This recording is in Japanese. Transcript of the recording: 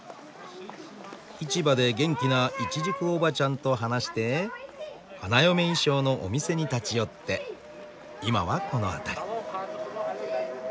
市場で元気なイチジクおばちゃんと話して花嫁衣装のお店に立ち寄って今はこの辺り。